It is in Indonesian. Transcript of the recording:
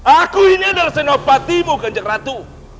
aku ini adalah senopati ganjeng ratu